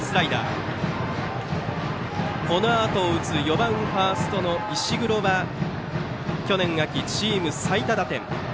このあと打つ４番ファーストの石黒は去年秋、チーム最多打点。